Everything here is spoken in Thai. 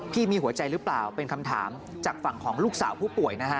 มีหัวใจหรือเปล่าเป็นคำถามจากฝั่งของลูกสาวผู้ป่วยนะฮะ